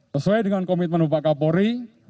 sesuai dengan komitmen bapak kapolri